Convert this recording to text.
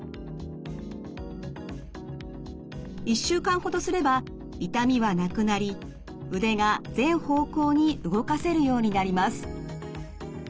１週間ほどすれば痛みはなくなり腕が全方向に動かせるようになります。